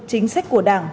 chính sách của đảng